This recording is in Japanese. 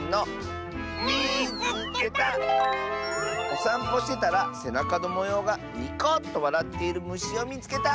「おさんぽしてたらせなかのもようがニコッとわらっているむしをみつけた！」。